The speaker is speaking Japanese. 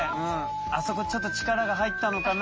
あそこちょっと力が入ったのかな。